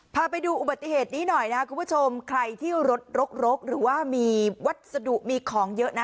พาไปดูอุบัติเหตุนี้หน่อยนะคุณผู้ชมใครที่รถรกรกหรือว่ามีวัสดุมีของเยอะนะ